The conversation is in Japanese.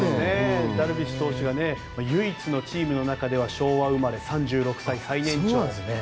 ダルビッシュ投手が唯一のチームの中では昭和生まれ３６歳最年長。